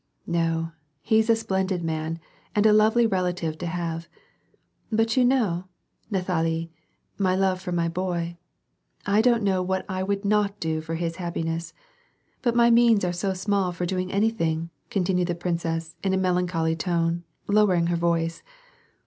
No, he's a splendid man, and a lovely relative to have. But you know, Nathalie, my love for my boy. I don't know what I would not do for his happiness. But my means are so small for doing anything," continued the princess, in a melancholy tone, lowering her voice.